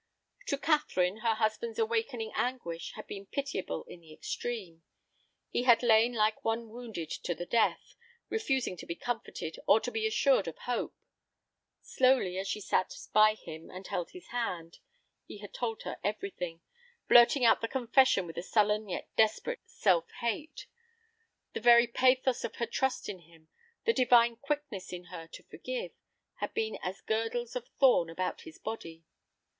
To Catherine her husband's awakening anguish had been pitiable in the extreme. He had lain like one wounded to the death, refusing to be comforted or to be assured of hope. Slowly, as she had sat by him and held his hand, he had told her everything, blurting out the confession with a sullen yet desperate self hate. The very pathos of her trust in him, the divine quickness in her to forgive, had been as girdles of thorn about his body.